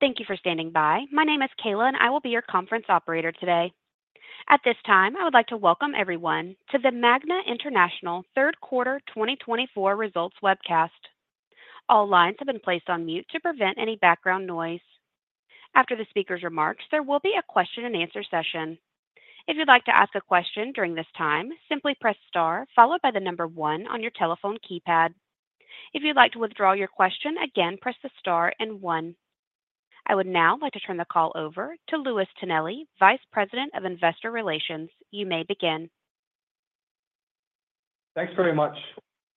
Thank you for standing by. My name is Kayla, and I will be your conference operator today. At this time, I would like to welcome everyone to the Magna International Q3 2024 Results Webcast. All lines have been placed on mute to prevent any background noise. After the speaker's remarks, there will be a question-and-answer session. If you'd like to ask a question during this time, simply press star followed by the number one on your telephone keypad. If you'd like to withdraw your question, again, press the star and one. I would now like to turn the call over to Louis Tonelli, Vice President of Investor Relations. You may begin. Thanks very much.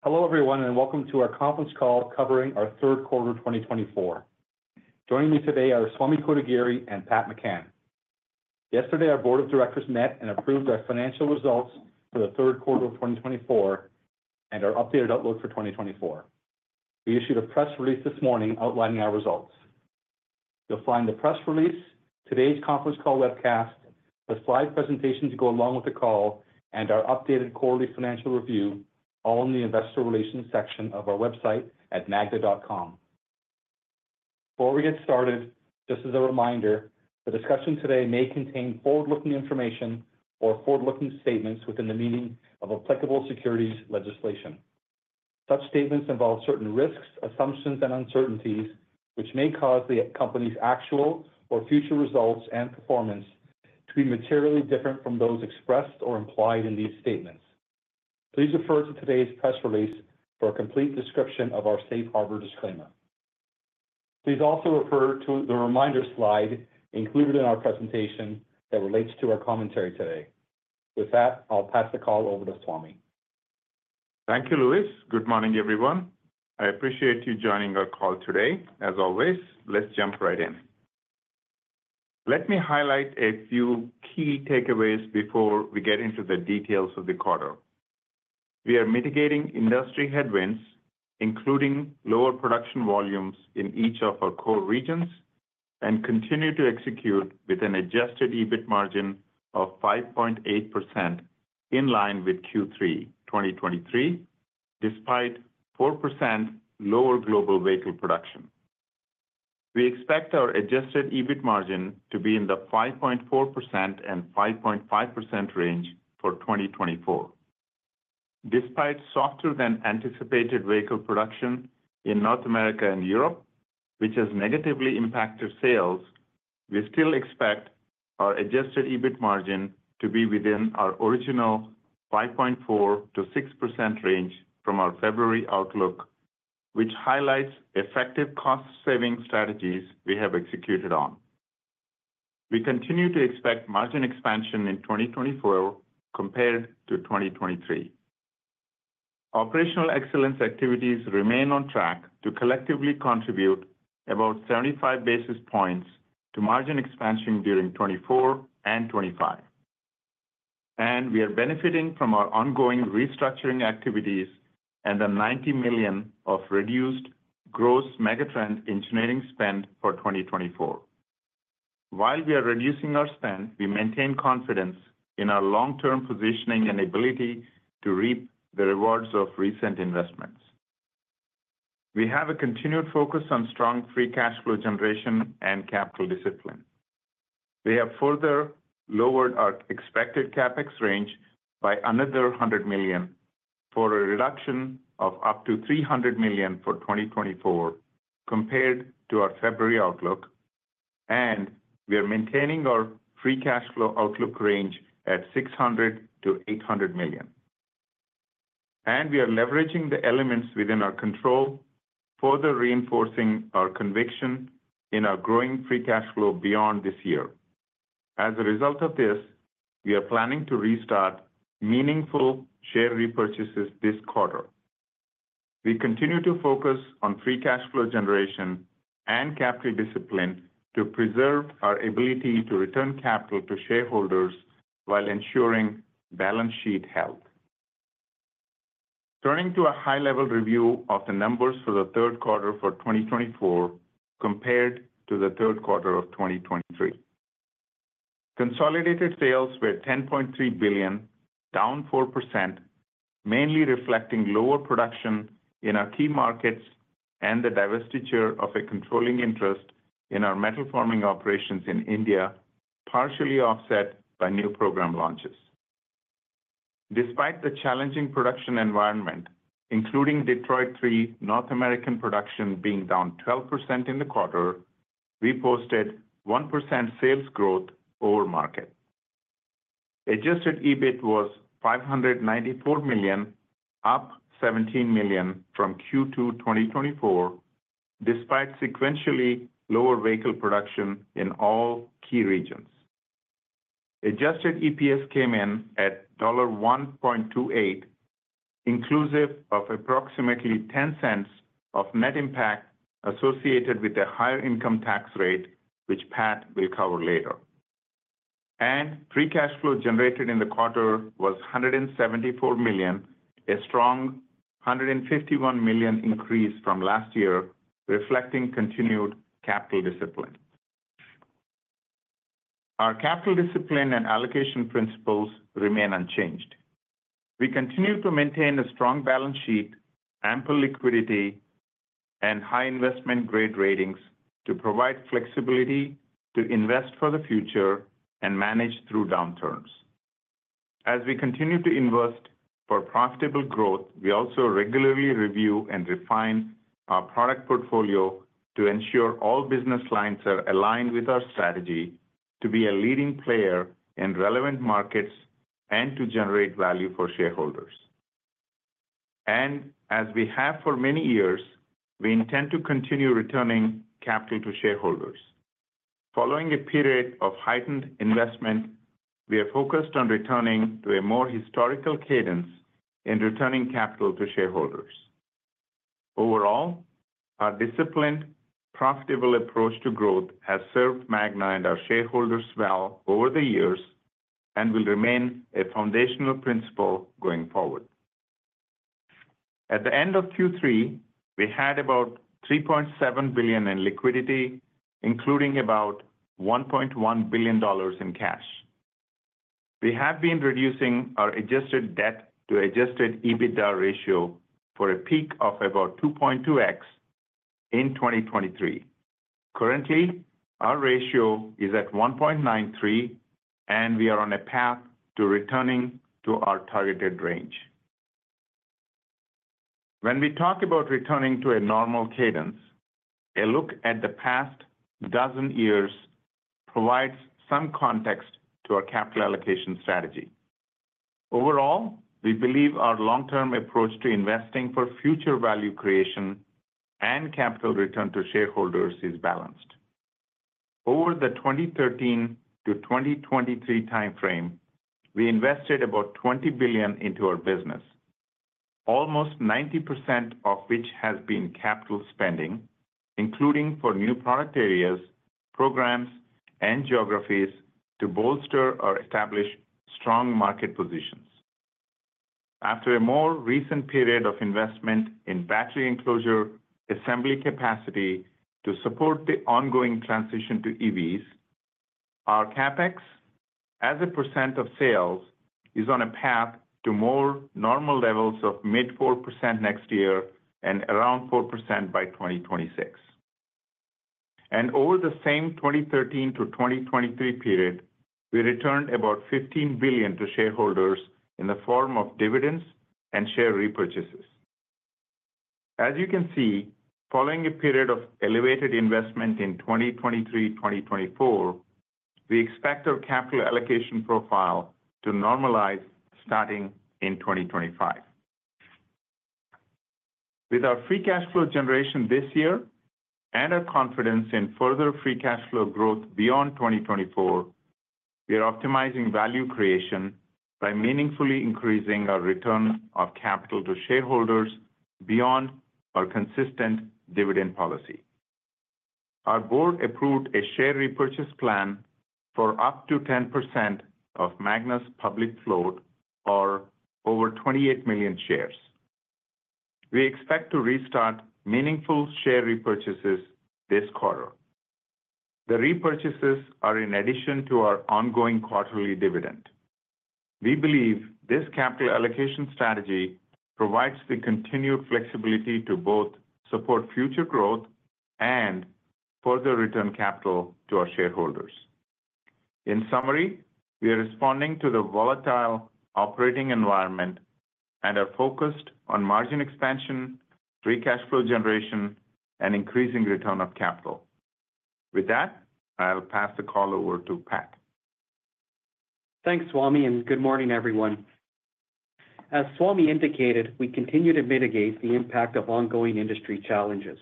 Hello, everyone, and welcome to our conference call covering our Q3 2024. Joining me today are Swamy Kotagiri and Pat McCann. Yesterday, our Board of Directors met and approved our financial results for the Q3 of 2024 and our updated outlook for 2024. We issued a press release this morning outlining our results. You'll find the press release, today's conference call webcast, the slide presentations that go along with the call, and our updated quarterly financial review all in the Investor Relations section of our website at magna.com. Before we get started, just as a reminder, the discussion today may contain forward-looking information or forward-looking statements within the meaning of applicable securities legislation. Such statements involve certain risks, assumptions, and uncertainties, which may cause the company's actual or future results and performance to be materially different from those expressed or implied in these statements. Please refer to today's press release for a complete description of our safe harbor disclaimer. Please also refer to the reminder slide included in our presentation that relates to our commentary today. With that, I'll pass the call over to Swamy. Thank you, Louis. Good morning, everyone. I appreciate you joining our call today. As always, let's jump right in. Let me highlight a few key takeaways before we get into the details of the quarter. We are mitigating industry headwinds, including lower production volumes in each of our core regions, and continue to execute with an adjusted EBIT margin of 5.8% in line with Q3 2023, despite 4% lower global vehicle production. We expect our adjusted EBIT margin to be in the 5.4%-5.5% range for 2024. Despite softer-than-anticipated vehicle production in North America and Europe, which has negatively impacted sales, we still expect our adjusted EBIT margin to be within our original 5.4%-6% range from our February outlook, which highlights effective cost-saving strategies we have executed on. We continue to expect margin expansion in 2024 compared to 2023. Operational excellence activities remain on track to collectively contribute about 75 basis points to margin expansion during 2024 and 2025. And we are benefiting from our ongoing restructuring activities and the $90 million of reduced gross megatrend engineering spend for 2024. While we are reducing our spend, we maintain confidence in our long-term positioning and ability to reap the rewards of recent investments. We have a continued focus on strong free cash flow generation and capital discipline. We have further lowered our expected CapEx range by another $100 million for a reduction of up to $300 million for 2024 compared to our February outlook. And we are maintaining our free cash flow outlook range at $600 million-$800 million. And we are leveraging the elements within our control, further reinforcing our conviction in our growing free cash flow beyond this year. As a result of this, we are planning to restart meaningful share repurchases this quarter. We continue to focus on free cash flow generation and capital discipline to preserve our ability to return capital to shareholders while ensuring balance sheet health. Turning to a high-level review of the numbers for the Q3 of 2024 compared to the Q3 of 2023. Consolidated sales were $10.3 billion, down 4%, mainly reflecting lower production in our key markets and the divestiture of a controlling interest in our metalforming operations in India, partially offset by new program launches. Despite the challenging production environment, including Detroit-3 North American production being down 12% in the quarter, we posted 1% sales growth over market. Adjusted EBIT was $594 million, up $17 million from Q2 2024, despite sequentially lower vehicle production in all key regions. Adjusted EPS came in at $1.28, inclusive of approximately $0.10 of net impact associated with a higher income tax rate, which Pat will cover later. Free cash flow generated in the quarter was $174 million, a strong $151 million increase from last year, reflecting continued capital discipline. Our capital discipline and allocation principles remain unchanged. We continue to maintain a strong balance sheet, ample liquidity, and high investment-grade ratings to provide flexibility to invest for the future and manage through downturns. As we continue to invest for profitable growth, we also regularly review and refine our product portfolio to ensure all business lines are aligned with our strategy to be a leading player in relevant markets and to generate value for shareholders. As we have for many years, we intend to continue returning capital to shareholders. Following a period of heightened investment, we are focused on returning to a more historical cadence in returning capital to shareholders. Overall, our disciplined, profitable approach to growth has served Magna and our shareholders well over the years and will remain a foundational principle going forward. At the end of Q3, we had about $3.7 billion in liquidity, including about $1.1 billion in cash. We have been reducing our Adjusted Debt to Adjusted EBITDA ratio for a peak of about 2.2x in 2023. Currently, our ratio is at 1.93, and we are on a path to returning to our targeted range. When we talk about returning to a normal cadence, a look at the past dozen years provides some context to our capital allocation strategy. Overall, we believe our long-term approach to investing for future value creation and capital return to shareholders is balanced. Over the 2013 to 2023 timeframe, we invested about $20 billion into our business, almost 90% of which has been capital spending, including for new product areas, programs, and geographies to bolster or establish strong market positions. After a more recent period of investment in battery enclosure assembly capacity to support the ongoing transition to EVs, our CapEx as a percent of sales is on a path to more normal levels of mid-4% next year and around 4% by 2026. And over the same 2013 to 2023 period, we returned about $15 billion to shareholders in the form of dividends and share repurchases. As you can see, following a period of elevated investment in 2023-2024, we expect our capital allocation profile to normalize starting in 2025. With our free cash flow generation this year and our confidence in further free cash flow growth beyond 2024, we are optimizing value creation by meaningfully increasing our return of capital to shareholders beyond our consistent dividend policy. Our board approved a share repurchase plan for up to 10% of Magna's public float, or over 28 million shares. We expect to restart meaningful share repurchases this quarter. The repurchases are in addition to our ongoing quarterly dividend. We believe this capital allocation strategy provides the continued flexibility to both support future growth and further return capital to our shareholders. In summary, we are responding to the volatile operating environment and are focused on margin expansion, free cash flow generation, and increasing return of capital. With that, I'll pass the call over to Pat. Thanks, Swamy, and good morning, everyone. As Swamy indicated, we continue to mitigate the impact of ongoing industry challenges.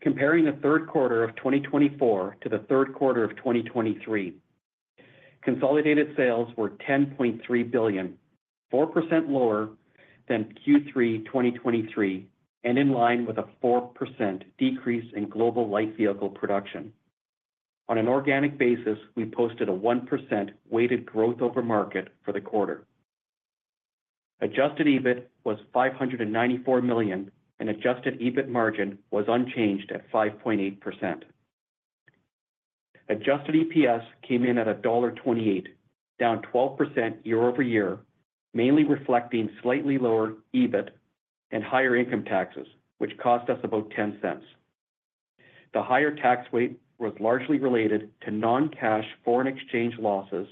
Comparing the Q3 of 2024 to the Q3 of 2023, consolidated sales were $10.3 billion, 4% lower than Q3 2023, and in line with a 4% decrease in global light vehicle production. On an organic basis, we posted a 1% weighted growth over market for the quarter. Adjusted EBIT was $594 million, and adjusted EBIT margin was unchanged at 5.8%. Adjusted EPS came in at $1.28, down 12% year-over-year, mainly reflecting slightly lower EBIT and higher income taxes, which cost us about $0.10. The higher tax weight was largely related to non-cash foreign exchange losses,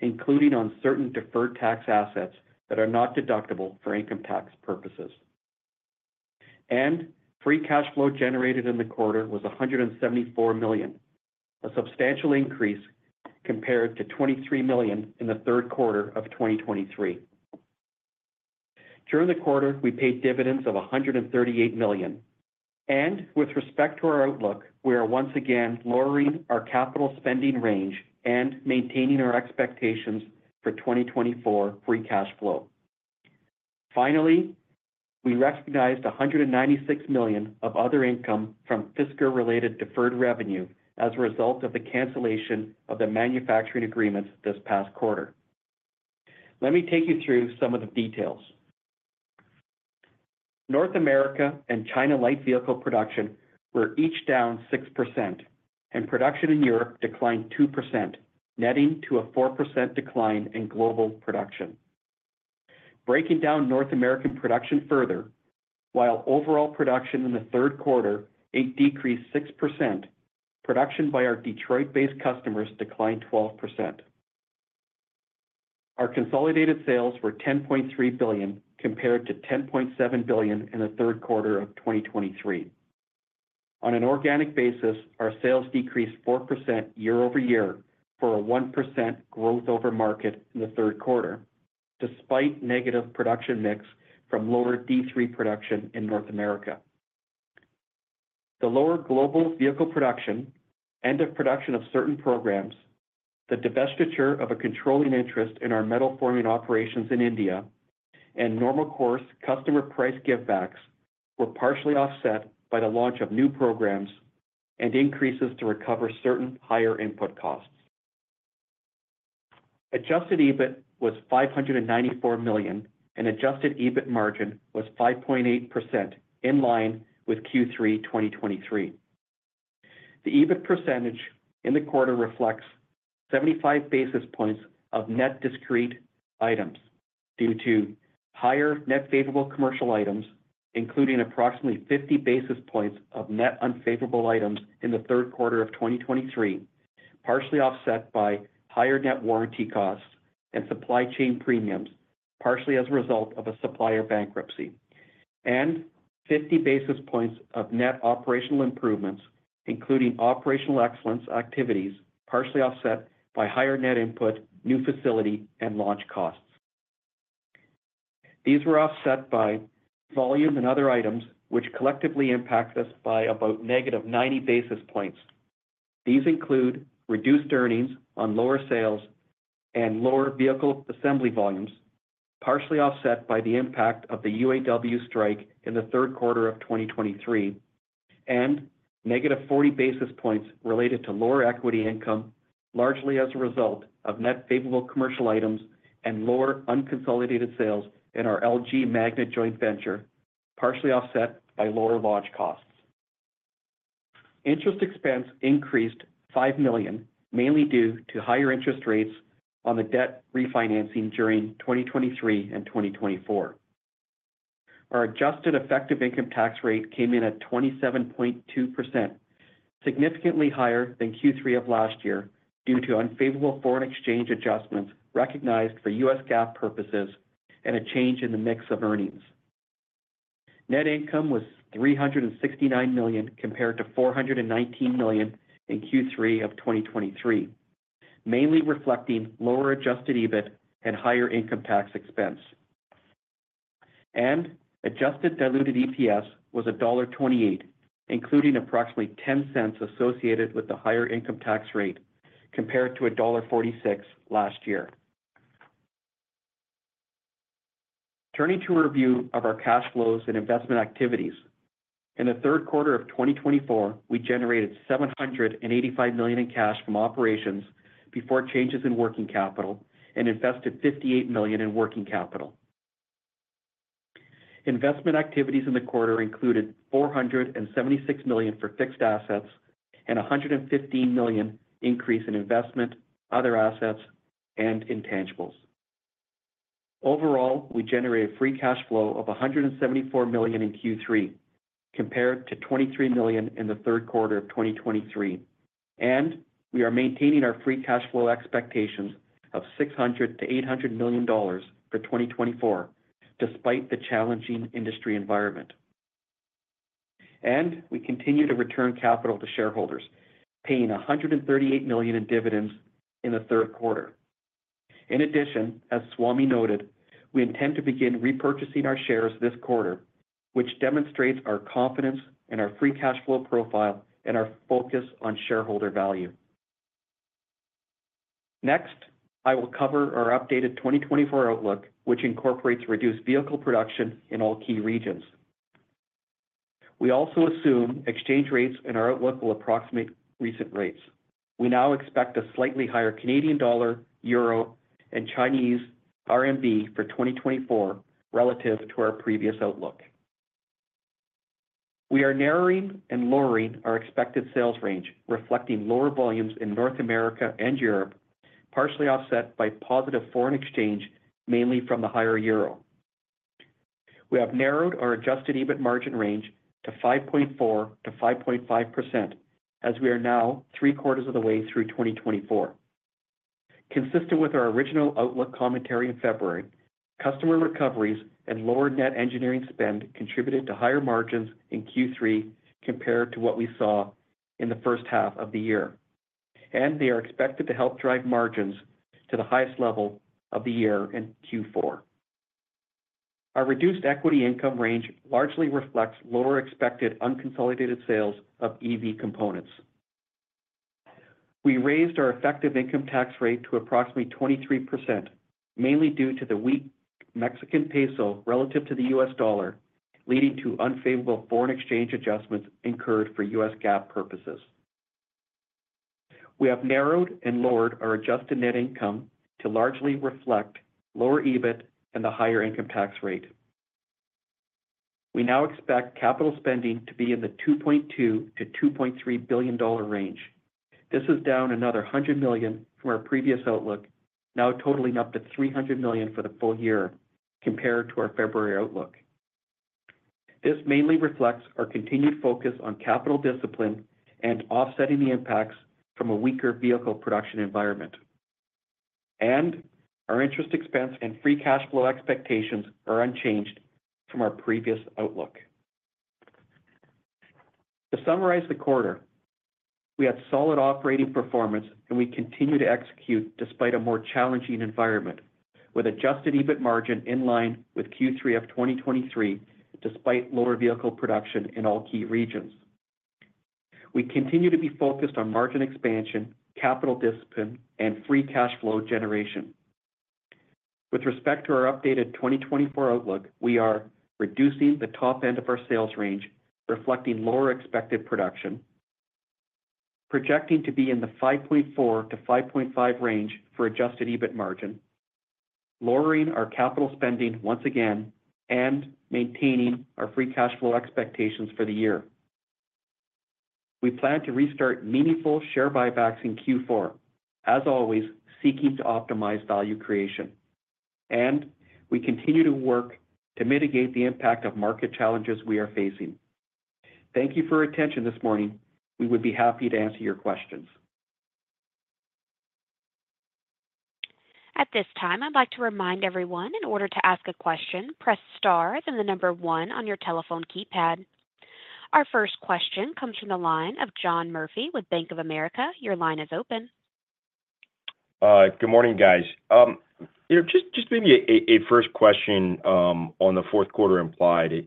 including on certain deferred tax assets that are not deductible for income tax purposes. Free cash flow generated in the quarter was $174 million, a substantial increase compared to $23 million in the Q3 of 2023. During the quarter, we paid dividends of $138 million. With respect to our outlook, we are once again lowering our capital spending range and maintaining our expectations for 2024 free cash flow. Finally, we recognized $196 million of other income from FSCA-related deferred revenue as a result of the cancellation of the manufacturing agreements this past quarter. Let me take you through some of the details. North America and China light vehicle production were each down 6%, and production in Europe declined 2%, netting to a 4% decline in global production. Breaking down North American production further, while overall production in the Q3 decreased 6%, production by our Detroit-based customers declined 12%. Our consolidated sales were $10.3 billion compared to $10.7 billion in the Q3 of 2023. On an organic basis, our sales decreased 4% year-over-year for a 1% growth over market in the Q3, despite negative production mix from lower D3 production in North America. The lower global vehicle production and the production of certain programs, the divestiture of a controlling interest in our metalforming operations in India, and normal course customer price give-backs were partially offset by the launch of new programs and increases to recover certain higher input costs. Adjusted EBIT was $594 million, and adjusted EBIT margin was 5.8% in line with Q3 2023. The EBIT percentage in the quarter reflects 75 basis points of net discrete items due to higher net favorable commercial items, including approximately 50 basis points of net unfavorable items in the Q3 of 2023, partially offset by higher net warranty costs and supply chain premiums, partially as a result of a supplier bankruptcy, and 50 basis points of net operational improvements, including operational excellence activities, partially offset by higher net input, new facility, and launch costs. These were offset by volume and other items, which collectively impact us by about negative 90 basis points. These include reduced earnings on lower sales and lower vehicle assembly volumes, partially offset by the impact of the UAW strike in the Q3 of 2023, and negative 40 basis points related to lower equity income, largely as a result of net favorable commercial items and lower unconsolidated sales in our LG Magna joint venture, partially offset by lower launch costs. Interest expense increased $5 million, mainly due to higher interest rates on the debt refinancing during 2023 and 2024. Our Adjusted Effective Income Tax Rate came in at 27.2%, significantly higher than Q3 of last year due to unfavorable foreign exchange adjustments recognized for U.S. GAAP purposes and a change in the mix of earnings. Net income was $369 million compared to $419 million in Q3 of 2023, mainly reflecting lower Adjusted EBIT and higher income tax expense. Adjusted diluted EPS was $1.28, including approximately 10 cents associated with the higher income tax rate compared to $1.46 last year. Turning to a review of our cash flows and investment activities, in the Q3 of 2024, we generated $785 million in cash from operations before changes in working capital and invested $58 million in working capital. Investment activities in the quarter included $476 million for fixed assets and $115 million increase in investments, other assets, and intangibles. Overall, we generated free cash flow of $174 million in Q3 compared to $23 million in the Q3 of 2023, and we are maintaining our free cash flow expectations of $600 million-$800 million for 2024, despite the challenging industry environment. We continue to return capital to shareholders, paying $138 million in dividends in the Q3. In addition, as Swamy noted, we intend to begin repurchasing our shares this quarter, which demonstrates our confidence in our free cash flow profile and our focus on shareholder value. Next, I will cover our updated 2024 outlook, which incorporates reduced vehicle production in all key regions. We also assume exchange rates in our outlook will approximate recent rates. We now expect a slightly higher Canadian dollar, euro, and Chinese RMB for 2024 relative to our previous outlook. We are narrowing and lowering our expected sales range, reflecting lower volumes in North America and Europe, partially offset by positive foreign exchange, mainly from the higher euro. We have narrowed our adjusted EBIT margin range to 5.4%-5.5% as we are now three quarters of the way through 2024. Consistent with our original outlook commentary in February, customer recoveries and lower net engineering spend contributed to higher margins in Q3 compared to what we saw in the first half of the year, and they are expected to help drive margins to the highest level of the year in Q4. Our reduced equity income range largely reflects lower expected unconsolidated sales of EV components. We raised our effective income tax rate to approximately 23%, mainly due to the weak Mexican peso relative to the U.S. dollar, leading to unfavorable foreign exchange adjustments incurred for U.S. GAAP purposes. We have narrowed and lowered our adjusted net income to largely reflect lower EBIT and the higher income tax rate. We now expect capital spending to be in the $2.2-$2.3 billion range. This is down another $100 million from our previous outlook, now totaling up to $300 million for the full year compared to our February outlook. This mainly reflects our continued focus on capital discipline and offsetting the impacts from a weaker vehicle production environment. And our interest expense and free cash flow expectations are unchanged from our previous outlook. To summarize the quarter, we had solid operating performance, and we continue to execute despite a more challenging environment, with adjusted EBIT margin in line with Q3 of 2023, despite lower vehicle production in all key regions. We continue to be focused on margin expansion, capital discipline, and free cash flow generation. With respect to our updated 2024 outlook, we are reducing the top end of our sales range, reflecting lower expected production, projecting to be in the 5.4%-5.5% range for adjusted EBIT margin, lowering our capital spending once again, and maintaining our free cash flow expectations for the year. We plan to restart meaningful share buybacks in Q4, as always, seeking to optimize value creation. We continue to work to mitigate the impact of market challenges we are facing. Thank you for your attention this morning. We would be happy to answer your questions. At this time, I'd like to remind everyone, in order to ask a question, press star and then the number one on your telephone keypad. Our first question comes from the line of John Murphy with Bank of America. Your line is open. Good morning, guys. Just maybe a first question on the Q4 implied.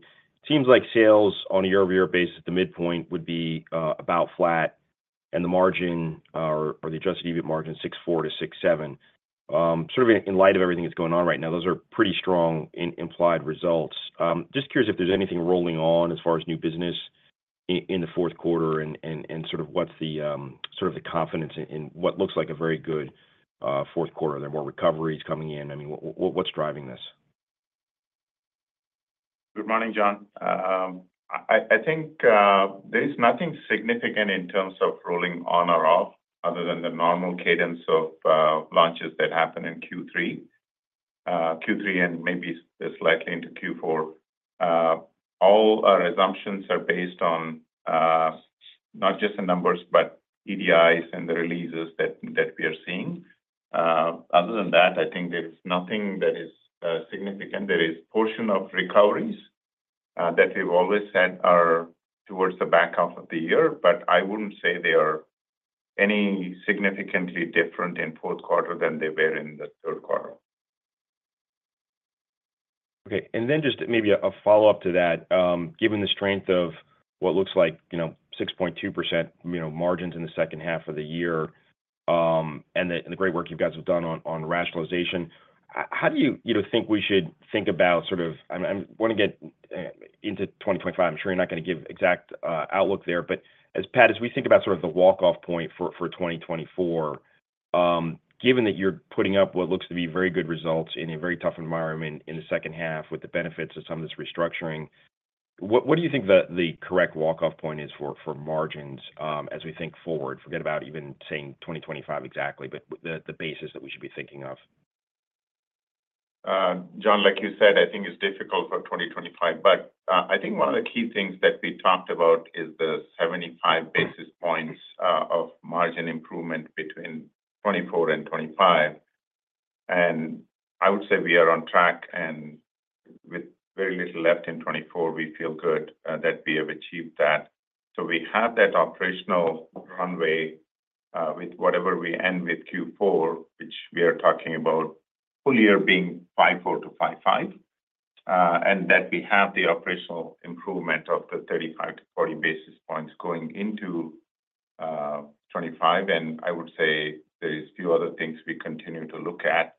It seems like sales on a year-over-year basis, the midpoint would be about flat, and the margin or the adjusted EBIT margin is 6.4%-6.7%. Sort of in light of everything that's going on right now, those are pretty strong implied results. Just curious if there's anything rolling on as far as new business in the Q4 and sort of what's the confidence in what looks like a very good Q4. There are more recoveries coming in. I mean, what's driving this? Good morning, John. I think there is nothing significant in terms of rolling on or off other than the normal cadence of launches that happen in Q3, and maybe it's likely into Q4. All our assumptions are based on not just the numbers, but EDIs and the releases that we are seeing. Other than that, I think there's nothing that is significant. There is a portion of recoveries that we've always had towards the back half of the year, but I wouldn't say they are any significantly different in Q4 than they were in the Q3. Okay. And then just maybe a follow-up to that, given the strength of what looks like 6.2% margins in the second half of the year and the great work you guys have done on rationalization, how do you think we should think about sort of, I want to get into 2025. I'm sure you're not going to give an exact outlook there. But as we think about sort of the walk-off point for 2024, given that you're putting up what looks to be very good results in a very tough environment in the second half with the benefits of some of this restructuring, what do you think the correct walk-off point is for margins as we think forward? Forget about even saying 2025 exactly, but the basis that we should be thinking of. John, like you said, I think it's difficult for 2025, but I think one of the key things that we talked about is the 75 basis points of margin improvement between 2024 and 2025, and I would say we are on track, and with very little left in 2024, we feel good that we have achieved that, so we have that operational runway with whatever we end with Q4, which we are talking about full year being 5.4 to 5.5, and that we have the operational improvement of the 35 to 40 basis points going into 2025, and I would say there are a few other things we continue to look at,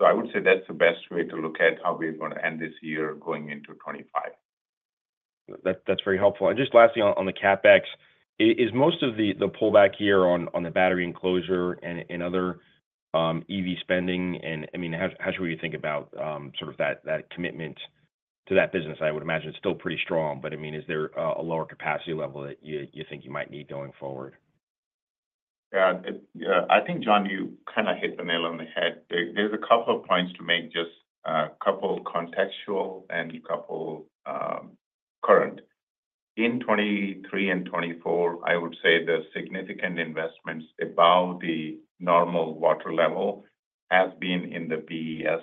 so I would say that's the best way to look at how we're going to end this year going into 2025. That's very helpful. And just lastly on the CapEx, is most of the pullback here on the battery enclosure and other EV spending, I mean, how should we think about sort of that commitment to that business? I would imagine it's still pretty strong, but I mean, is there a lower capacity level that you think you might need going forward? Yeah. I think, John, you kind of hit the nail on the head. There's a couple of points to make, just a couple contextual and a couple current. In 2023 and 2024, I would say the significant investments above the normal water level have been in the BES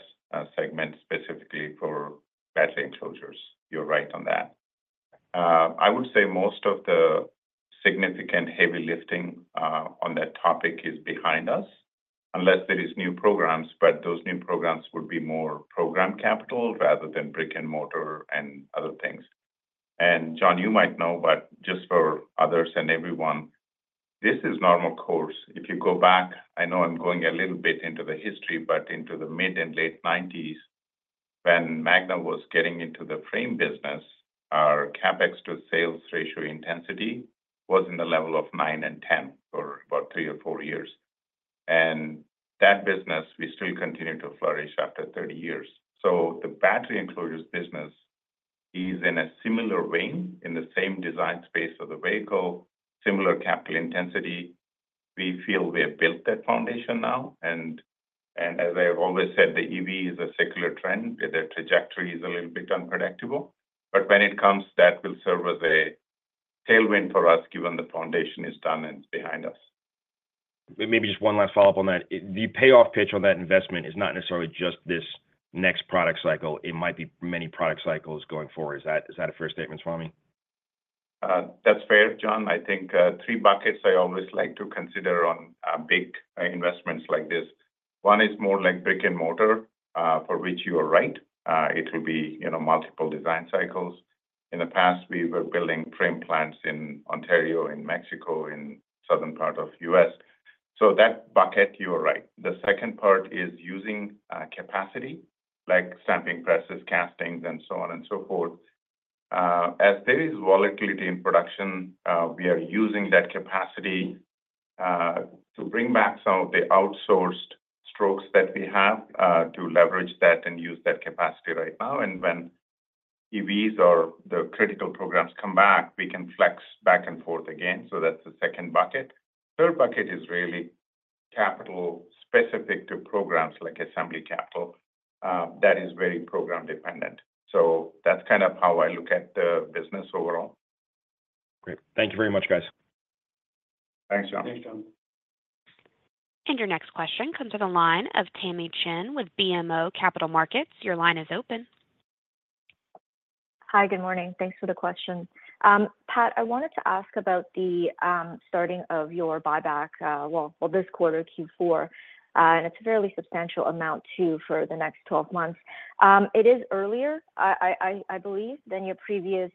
segment specifically for battery enclosures. You're right on that. I would say most of the significant heavy lifting on that topic is behind us, unless there are new programs, but those new programs would be more program capital rather than brick and mortar and other things. And John, you might know, but just for others and everyone, this is normal course. If you go back, I know I'm going a little bit into the history, but into the mid and late 1990s, when Magna was getting into the frame business, our CapEx to sales ratio intensity was in the level of 9%-10% for about three or four years, and that business we still continue to flourish after 30 years, so the battery enclosures business is in a similar vein in the same design space of the vehicle, similar capital intensity. We feel we have built that foundation now, and as I have always said, the EV is a circular trend. The trajectory is a little bit unpredictable, but when it comes, that will serve as a tailwind for us given the foundation is done and it's behind us. Maybe just one last follow-up on that. The payoff pitch on that investment is not necessarily just this next product cycle. It might be many product cycles going forward. Is that a fair statement, Swamy? That's fair, John. I think three buckets I always like to consider on big investments like this. One is more like brick and mortar, for which you are right. It will be multiple design cycles. In the past, we were building frame plants in Ontario, in Mexico, in the southern part of the US. So that bucket, you are right. The second part is using capacity, like stamping presses, castings, and so on and so forth. As there is volatility in production, we are using that capacity to bring back some of the outsourced work that we have to leverage that and use that capacity right now. And when EVs or the critical programs come back, we can flex back and forth again. So that's the second bucket. The third bucket is really capital specific to programs like assembly capital. That is very program dependent. So that's kind of how I look at the business overall. Great. Thank you very much, guys. Thanks, John. Thanks, John. Your next question comes from the line of Tamy Chen with BMO Capital Markets. Your line is open. Hi, good morning. Thanks for the question. Pat, I wanted to ask about the starting of your buyback, well, this quarter, Q4, and it's a fairly substantial amount too for the next 12 months. It is earlier, I believe, than your previous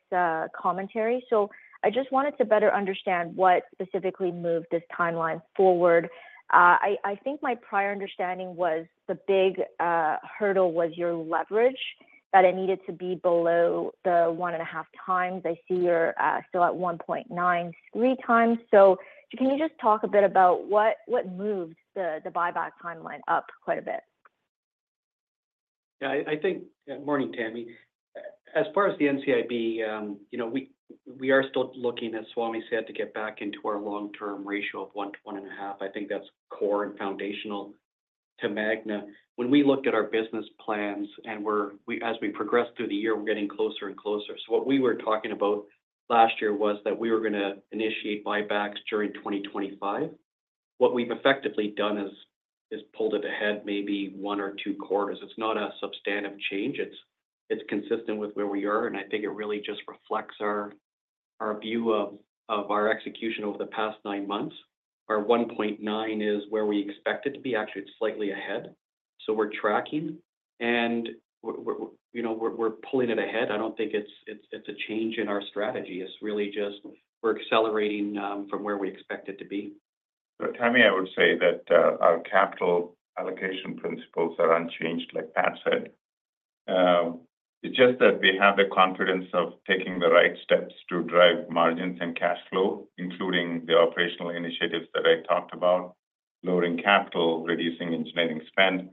commentary. So I just wanted to better understand what specifically moved this timeline forward. I think my prior understanding was the big hurdle was your leverage, that it needed to be below the one and a half times. I see you're still at 1.93 times. So can you just talk a bit about what moved the buyback timeline up quite a bit? Yeah. I think, morning, Tamy. As far as the NCIB, we are still looking, as Swamy said, to get back into our long-term ratio of 1 to 1 and a half. I think that's core and foundational to Magna. When we look at our business plans and as we progress through the year, we're getting closer and closer. So what we were talking about last year was that we were going to initiate buybacks during 2025. What we've effectively done is pulled it ahead maybe one or two quarters. It's not a substantive change. It's consistent with where we are. And I think it really just reflects our view of our execution over the past nine months. Our 1.9 is where we expect it to be. Actually, it's slightly ahead. So we're tracking, and we're pulling it ahead. I don't think it's a change in our strategy. It's really just we're accelerating from where we expect it to be. For Tamy, I would say that our capital allocation principles are unchanged, like Pat said. It's just that we have the confidence of taking the right steps to drive margins and cash flow, including the operational initiatives that I talked about, lowering capital, reducing engineering spend.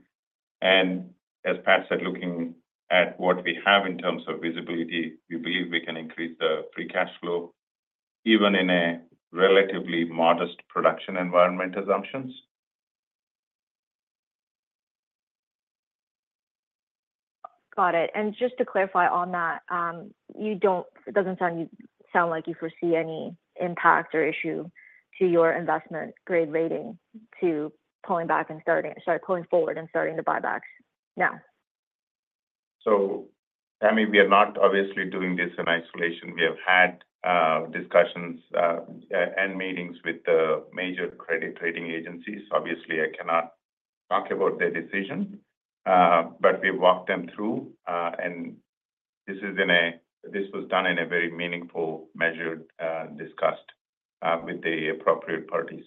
And as Pat said, looking at what we have in terms of visibility, we believe we can increase the free cash flow even in a relatively modest production environment assumptions. Got it. And just to clarify on that, it doesn't sound like you foresee any impact or issue to your Investment Grade Rating to pulling forward and starting the buybacks now. Tamy, we are not obviously doing this in isolation. We have had discussions and meetings with the major credit rating agencies. Obviously, I cannot talk about their decision, but we've walked them through. And this was done in a very meaningful measure discussed with the appropriate parties.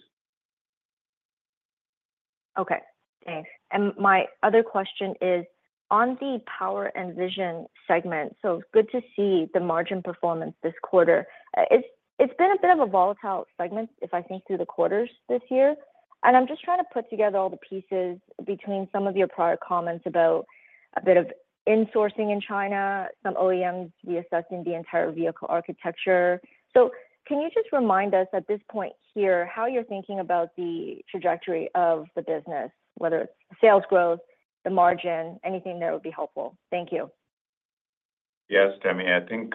Okay. Thanks. And my other question is, on the Power and Vision segment, so it's good to see the margin performance this quarter. It's been a bit of a volatile segment if I think through the quarters this year. And I'm just trying to put together all the pieces between some of your prior comments about a bit of insourcing in China, some OEMs reassessing the entire vehicle architecture. So can you just remind us at this point here how you're thinking about the trajectory of the business, whether it's sales growth, the margin, anything there would be helpful? Thank you. Yes, Tammy. I think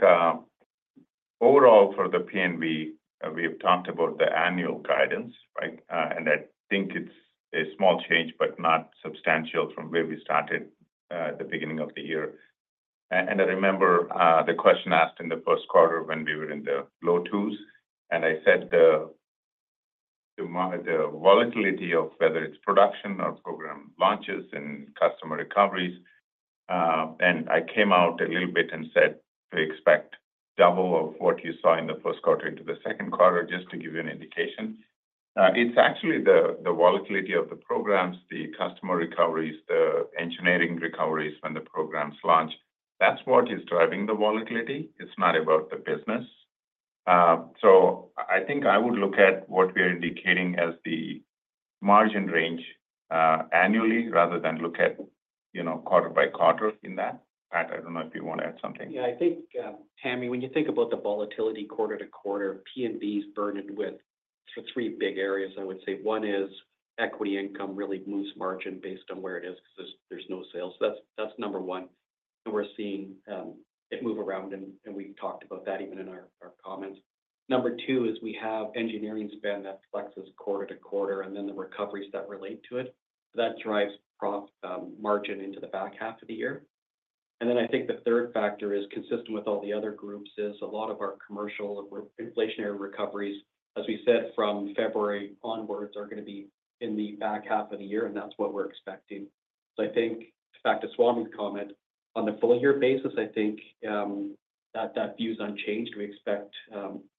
overall for the P&B, we've talked about the annual guidance, right? And I think it's a small change, but not substantial from where we started at the beginning of the year. And I remember the question asked in the Q1 when we were in the low twos. And I said the volatility of whether it's production or program launches and customer recoveries. And I came out a little bit and said to expect double of what you saw in the Q1 into the Q2, just to give you an indication. It's actually the volatility of the programs, the customer recoveries, the engineering recoveries when the programs launch. That's what is driving the volatility. It's not about the business. So I think I would look at what we are indicating as the margin range annually rather than look at quarter by quarter in that. Pat, I don't know if you want to add something. Yeah. I think, Tamy, when you think about the volatility quarter to quarter, P&B is burdened with three big areas, I would say. One is equity income really moves margin based on where it is because there's no sales. That's number one. And we're seeing it move around, and we've talked about that even in our comments. Number two is we have engineering spend that flexes quarter to quarter and then the recoveries that relate to it. That drives margin into the back half of the year. And then I think the third factor is consistent with all the other groups is a lot of our commercial inflationary recoveries, as we said, from February onwards are going to be in the back half of the year, and that's what we're expecting. So I think, in fact, to Swamy's comment, on the full year basis, I think that view's unchanged. We expect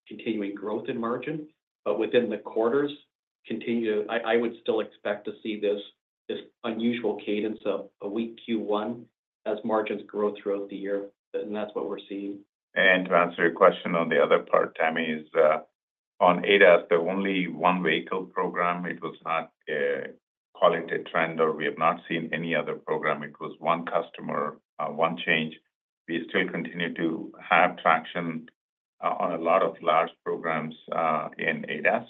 continuing growth in margin, but within the quarters, I would still expect to see this unusual cadence of a weak Q1 as margins grow throughout the year, and that's what we're seeing. And to answer your question on the other part, Tamy, is on ADAS, the only one vehicle program. It was not a quality trend, or we have not seen any other program. It was one customer, one change. We still continue to have traction on a lot of large programs in ADAS.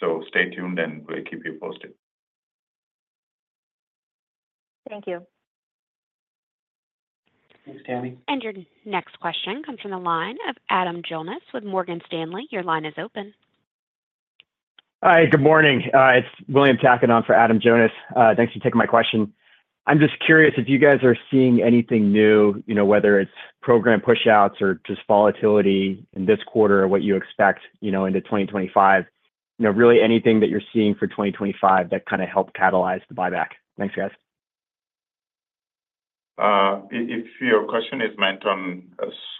So stay tuned, and we'll keep you posted. Thank you. Thanks, Tammy. Your next question comes from the line of Adam Jonas with Morgan Stanley. Your line is open. Hi, good morning. It's William Taconon for Adam Jonas. Thanks for taking my question. I'm just curious if you guys are seeing anything new, whether it's program push-outs or just volatility in this quarter or what you expect into 2025. Really, anything that you're seeing for 2025 that kind of helped catalyze the buyback? Thanks, guys. If your question is meant on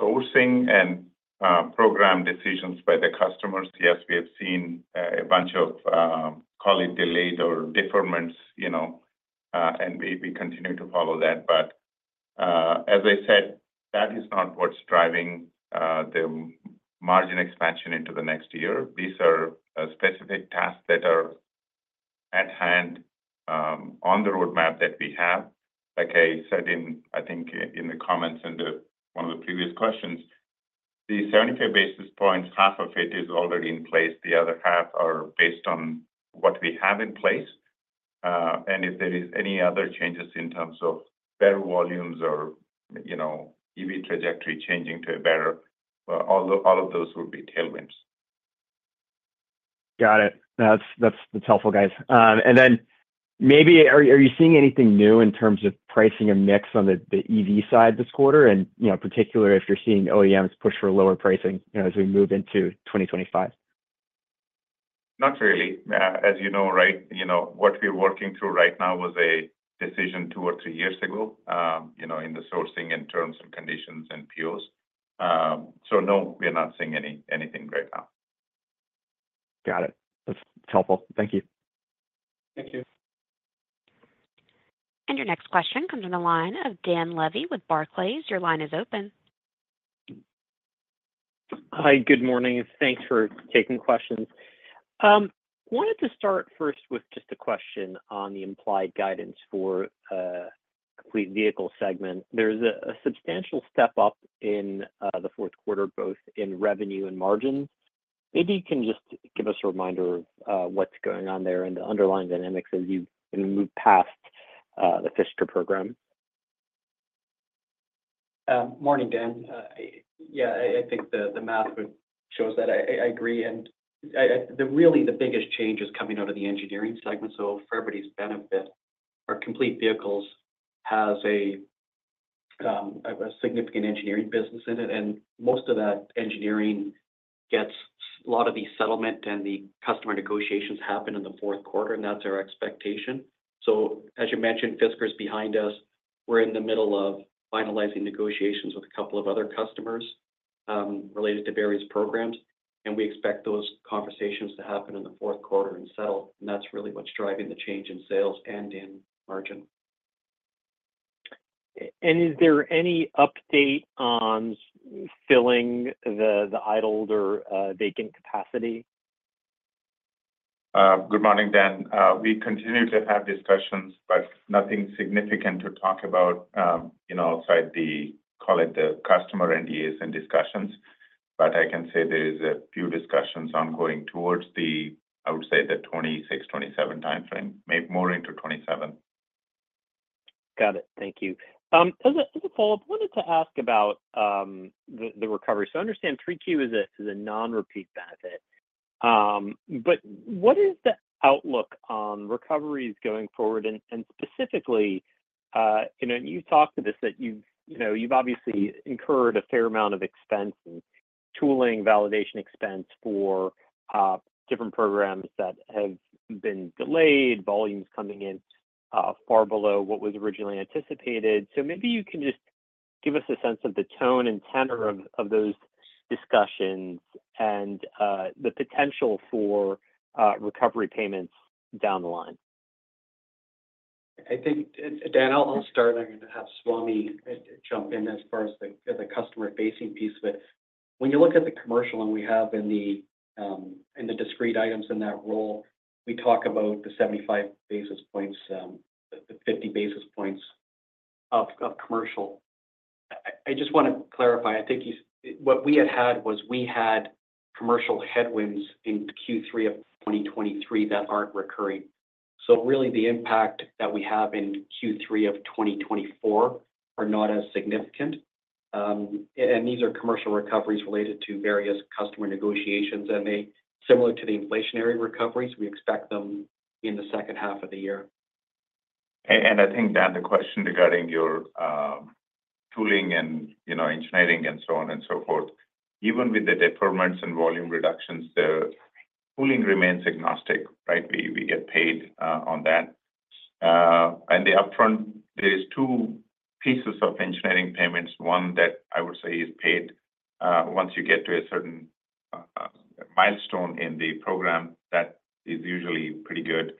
sourcing and program decisions by the customers, yes, we have seen a bunch of, call it delayed or deferrals, and we continue to follow that. But as I said, that is not what's driving the margin expansion into the next year. These are specific tasks that are at hand on the roadmap that we have. Like I said, I think in the comments and one of the previous questions, the 75 basis points, half of it is already in place. The other half are based on what we have in place, and if there are any other changes in terms of better volumes or EV trajectory changing to a better, all of those would be tailwinds. Got it. That's helpful, guys. And then maybe, are you seeing anything new in terms of pricing and mix on the EV side this quarter, and particularly if you're seeing OEMs push for lower pricing as we move into 2025? Not really. As you know, right, what we're working through right now was a decision two or three years ago in the sourcing and terms and conditions and POs. So no, we're not seeing anything right now. Got it. That's helpful. Thank you. Thank you. And your next question comes from the line of Dan Levy with Barclays. Your line is open. Hi, good morning. Thanks for taking questions. Wanted to start first with just a question on the implied guidance for the vehicle segment. There's a substantial step up in the Q4, both in revenue and margins. Maybe you can just give us a reminder of what's going on there and the underlying dynamics as you move past the Fisker program. Morning, Dan. Yeah, I think the math shows that. I agree, and really, the biggest change is coming out of the engineering segment, so for everybody's benefit, our complete vehicles have a significant engineering business in it. And most of that engineering gets a lot of the settlement and the customer negotiations happen in the Q4, and that's our expectation. So as you mentioned, Fisker is behind us. We're in the middle of finalizing negotiations with a couple of other customers related to various programs. And we expect those conversations to happen in the Q4 and settle. And that's really what's driving the change in sales and in margin. Is there any update on filling the idled or vacant capacity? Good morning, Dan. We continue to have discussions, but nothing significant to talk about outside the, call it, the customer NDAs and discussions. But I can say there are a few discussions ongoing towards the, I would say, the 2026, 2027 timeframe, maybe more into 2027. Got it. Thank you. As a follow-up, wanted to ask about the recovery. So I understand 3Q is a non-repeat benefit. But what is the outlook on recoveries going forward? And specifically, you talked to this that you've obviously incurred a fair amount of expense and tooling validation expense for different programs that have been delayed, volumes coming in far below what was originally anticipated. So maybe you can just give us a sense of the tone and tenor of those discussions and the potential for recovery payments down the line. I think, Dan, I'll start. I'm going to have Swamy jump in as far as the customer-facing piece. But when you look at the commercial and we have in the discrete items in that role, we talk about the 75 basis points, the 50 basis points of commercial. I just want to clarify. I think what we had had was we had commercial headwinds in Q3 of 2023 that aren't recurring. So really, the impact that we have in Q3 of 2024 are not as significant. And these are commercial recoveries related to various customer negotiations. And similar to the inflationary recoveries, we expect them in the second half of the year. I think, Dan, the question regarding your tooling and engineering and so on and so forth, even with the deferments and volume reductions, the tooling remains agnostic, right? We get paid on that. There are two pieces of engineering payments. One that I would say is paid once you get to a certain milestone in the program. That is usually pretty good.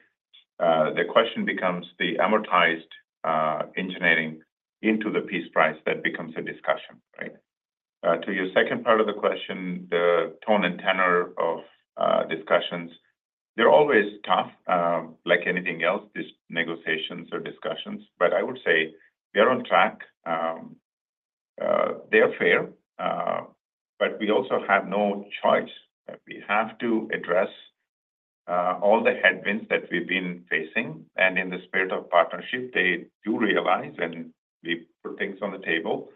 The question becomes the amortized engineering into the piece price that becomes a discussion, right? To your second part of the question, the tone and tenor of discussions, they're always tough, like anything else, these negotiations or discussions. I would say we are on track. They are fair. We also have no choice. We have to address all the headwinds that we've been facing. And in the spirit of partnership, they do realize, and we put things on the table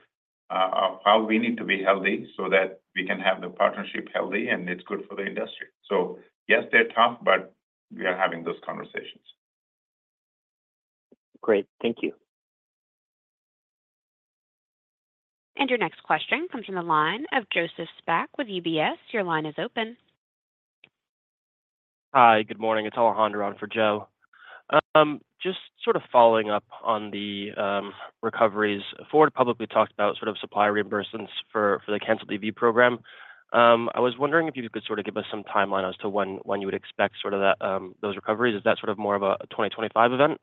of how we need to be healthy so that we can have the partnership healthy and it's good for the industry. So yes, they're tough, but we are having those conversations. Great. Thank you. Your next question comes from the line of Joseph Spak with UBS. Your line is open. Hi, good morning. It's Alejandro on for Joe. Just sort of following up on the recoveries, Ford publicly talked about sort of supplier reimbursements for the canceled EV program. I was wondering if you could sort of give us some timeline as to when you would expect sort of those recoveries. Is that sort of more of a 2025 event?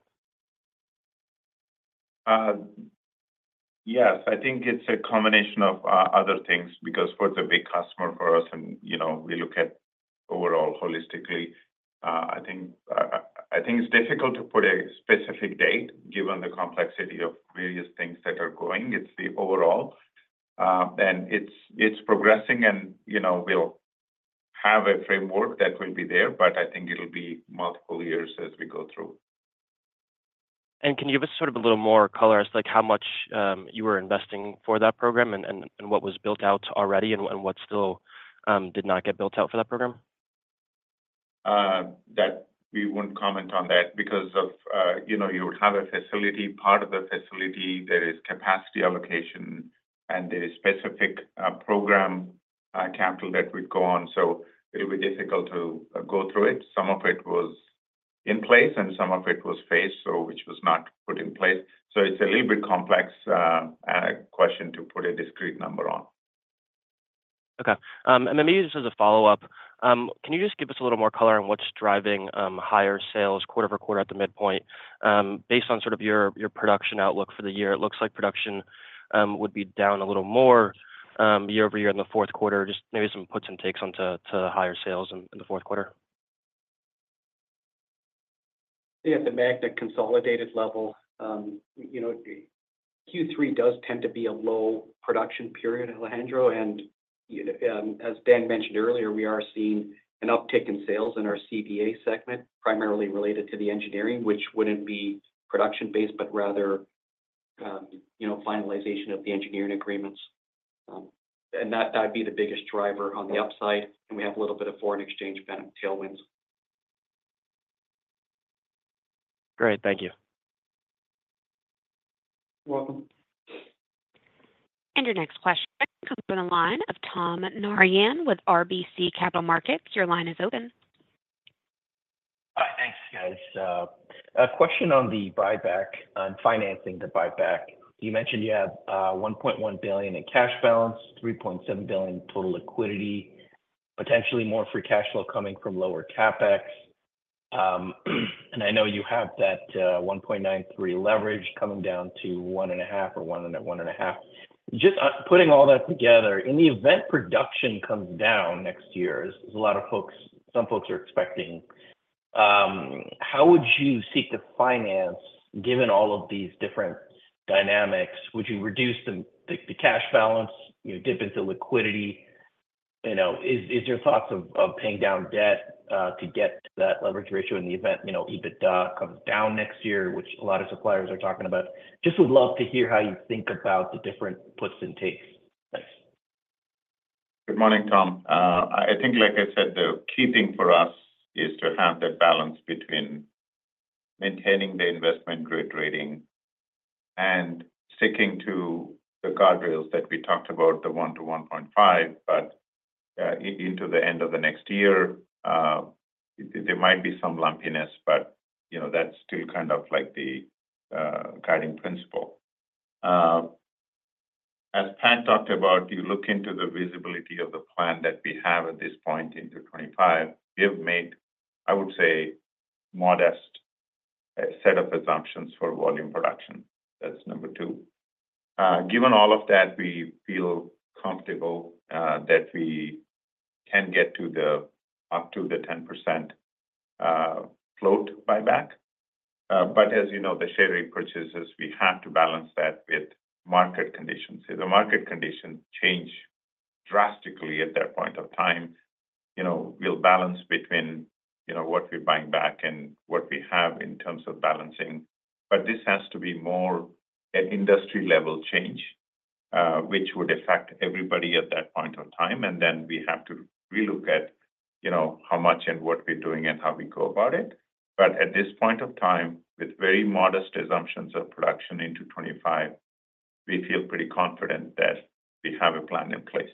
Yes. I think it's a combination of other things because Ford's a big customer for us, and we look at overall holistically. I think it's difficult to put a specific date given the complexity of various things that are going. It's the overall. And it's progressing, and we'll have a framework that will be there, but I think it'll be multiple years as we go through. Can you give us sort of a little more color as to how much you were investing for that program and what was built out already and what still did not get built out for that program? We won't comment on that because you would have a facility, part of the facility, there is capacity allocation, and there is specific program capital that would go on. So it'll be difficult to go through it. Some of it was in place, and some of it was phased, which was not put in place. So it's a little bit complex question to put a discrete number on. Okay. And then maybe just as a follow-up, can you just give us a little more color on what's driving higher sales quarter over quarter at the midpoint? Based on sort of your production outlook for the year, it looks like production would be down a little more year-over-year in the Q4. Just maybe some puts and takes onto higher sales in the Q4. Yeah. The Magna consolidated level, Q3 does tend to be a low production period, Alejandro. And as Dan mentioned earlier, we are seeing an uptick in sales in our CBA segment, primarily related to the engineering, which wouldn't be production-based, but rather finalization of the engineering agreements. And that'd be the biggest driver on the upside. And we have a little bit of foreign exchange tailwinds. Great. Thank you. You're welcome. Your next question comes from the line of Tom Narayan with RBC Capital Markets. Your line is open. Hi. Thanks, guys. A question on the buyback, on financing the buyback. You mentioned you have $1.1 billion in cash balance, $3.7 billion total liquidity, potentially more free cash flow coming from lower CapEx. And I know you have that 1.93 leverage coming down to one and a half or one and a half. Just putting all that together, in the event production comes down next year, as a lot of folks, some folks are expecting, how would you seek to finance given all of these different dynamics? Would you reduce the cash balance, dip into liquidity? Is there thoughts of paying down debt to get that leverage ratio in the event EBITDA comes down next year, which a lot of suppliers are talking about? Just would love to hear how you think about the different puts and takes. Good morning, Tom. I think, like I said, the key thing for us is to have that balance between maintaining the investment grade rating and sticking to the guardrails that we talked about, the 1 to 1.5, but into the end of the next year, there might be some lumpiness, but that's still kind of like the guiding principle. As Pat talked about, you look into the visibility of the plan that we have at this point into 2025. We have made, I would say, modest set of assumptions for volume production. That's number two. Given all of that, we feel comfortable that we can get to up to the 10% float buyback. But as you know, the share repurchases, we have to balance that with market conditions. If the market conditions change drastically at that point of time, we'll balance between what we're buying back and what we have in terms of balancing, but this has to be more an industry-level change, which would affect everybody at that point of time, and then we have to relook at how much and what we're doing and how we go about it, but at this point of time, with very modest assumptions of production into 2025, we feel pretty confident that we have a plan in place.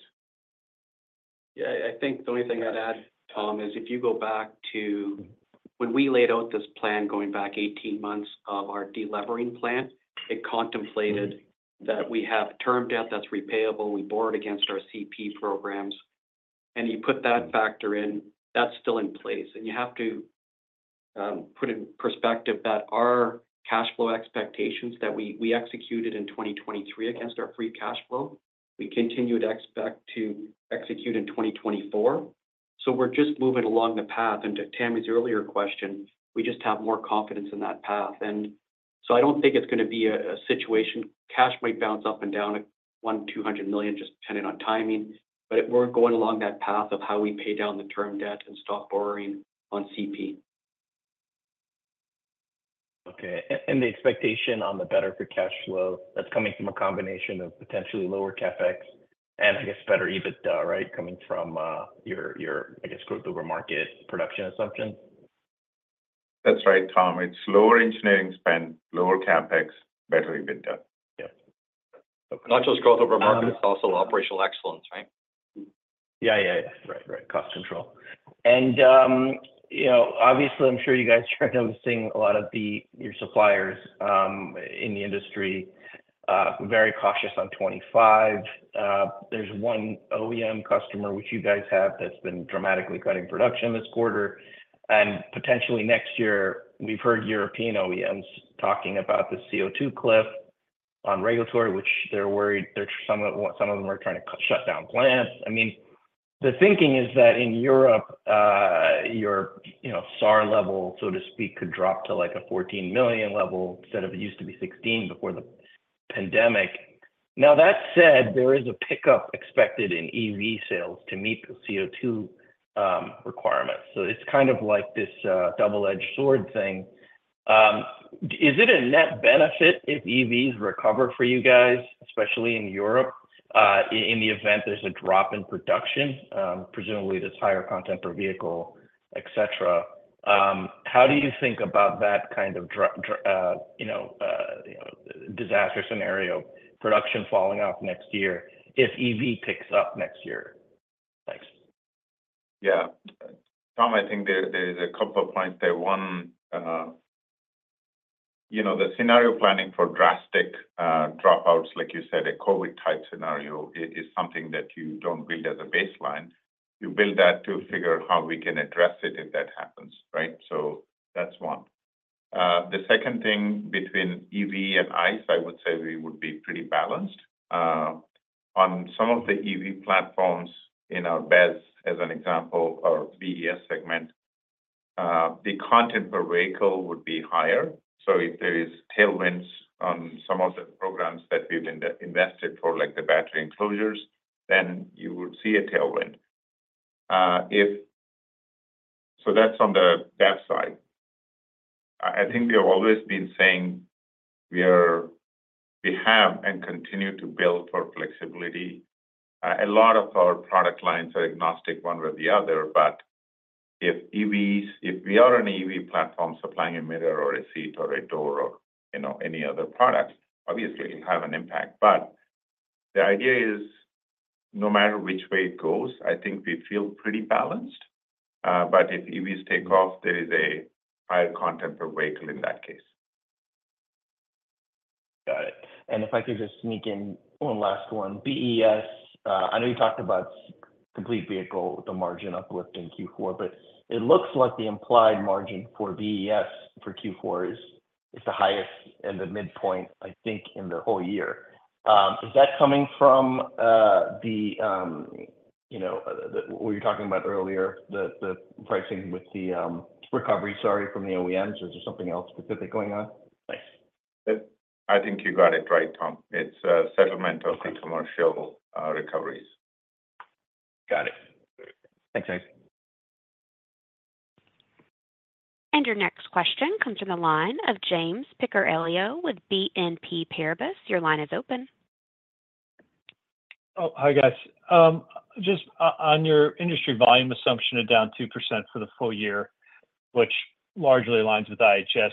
Yeah. I think the only thing I'd add, Tom, is if you go back to when we laid out this plan going back 18 months of our delivering plan, it contemplated that we have term debt that's repayable. We borrowed against our CP programs. And you put that factor in, that's still in place. And you have to put in perspective that our cash flow expectations that we executed in 2023 against our free cash flow, we continued to expect to execute in 2024. So we're just moving along the path. And to Tom's earlier question, we just have more confidence in that path. And so I don't think it's going to be a situation cash might bounce up and down at $1,200 million, just depending on timing. But we're going along that path of how we pay down the term debt and stop borrowing on CP. Okay. And the expectation on the better for cash flow, that's coming from a combination of potentially lower CapEx and, I guess, better EBITDA, right, coming from your, I guess, growth over market production assumptions? That's right, Tom. It's lower engineering spend, lower CapEx, better EBITDA. Yeah. Not just growth over market, it's also operational excellence, right? Yeah, yeah, yeah. Right, right. Cost control. And obviously, I'm sure you guys are noticing a lot of your suppliers in the industry very cautious on 2025. There's one OEM customer which you guys have that's been dramatically cutting production this quarter. And potentially next year, we've heard European OEMs talking about the CO2 cliff on regulatory, which they're worried some of them are trying to shut down plants. I mean, the thinking is that in Europe, your SAR level, so to speak, could drop to like a 14 million level instead of it used to be 16 before the pandemic. Now, that said, there is a pickup expected in EV sales to meet the CO2 requirements. So it's kind of like this double-edged sword thing. Is it a net benefit if EVs recover for you guys, especially in Europe, in the event there's a drop in production, presumably this higher content per vehicle, etc.? How do you think about that kind of disaster scenario, production falling off next year if EV picks up next year? Thanks. Yeah. Tom, I think there are a couple of points there. One, the scenario planning for drastic dropouts, like you said, a COVID-type scenario is something that you don't build as a baseline. You build that to figure how we can address it if that happens, right? So that's one. The second thing between EV and ICE, I would say we would be pretty balanced. On some of the EV platforms in our BESS, as an example, or BESS segment, the content per vehicle would be higher. So if there are tailwinds on some of the programs that we've invested for, like the battery enclosures, then you would see a tailwind. So that's on the EV side. I think we have always been saying we have and continue to build for flexibility. A lot of our product lines are agnostic one way or the other. But if we are an EV platform supplying a mirror or a seat or a door or any other product, obviously, it'll have an impact. But the idea is, no matter which way it goes, I think we feel pretty balanced. But if EVs take off, there is a higher content per vehicle in that case. Got it. And if I could just sneak in one last one. BESS, I know you talked about complete vehicle with a margin uplift in Q4, but it looks like the implied margin for BESS for Q4 is the highest and the midpoint, I think, in the whole year. Is that coming from the what you're talking about earlier, the pricing with the recovery, sorry, from the OEMs? Is there something else specific going on? Nice. I think you got it right, Tom. It's a settlement of the commercial recoveries. Got it. Thanks, guys. Your next question comes from the line of James Picariello with BNP Paribas. Your line is open. Oh, hi guys. Just on your industry volume assumption of down 2% for the full year, which largely aligns with IHS,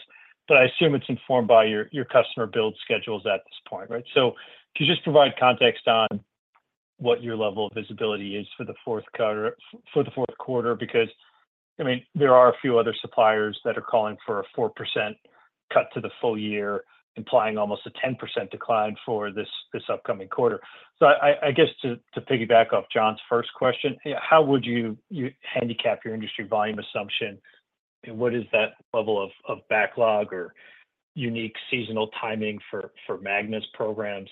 but I assume it's informed by your customer build schedules at this point, right? So could you just provide context on what your level of visibility is for the Q4? Because, I mean, there are a few other suppliers that are calling for a 4% cut to the full year, implying almost a 10% decline for this upcoming quarter. So I guess to piggyback off John's first question, how would you handicap your industry volume assumption? What is that level of backlog or unique seasonal timing for Magna's programs